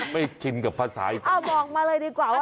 ไปกินกับภาษาอีกครั้ง